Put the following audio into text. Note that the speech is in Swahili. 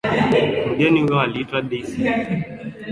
Mgeni huyo aliitwa Daisy alikuwa ni msichana mrembo